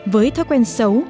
với thói quen xấu